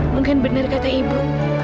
mungkin benar kata ibu